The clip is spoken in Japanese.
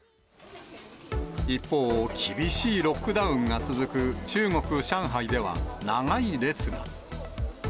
一方、厳しいロックダウンが続く中国・上海では、長い列が。